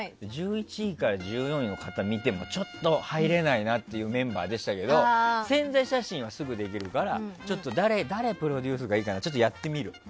１１位から１４位の方を見てもちょっと入れないなっていうメンバーでしたけど宣材写真は、すぐできるから誰プロデュースがいいかなちょっとやってみる。